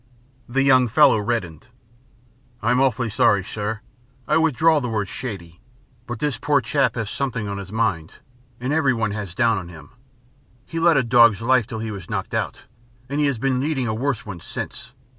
The young fellow reddened. "I'm awfully sorry, sir. I withdraw the word 'shady.' But this poor chap has something on his mind, and everyone has a down on him. He led a dog's life till he was knocked out, and he has been leading a worse one since.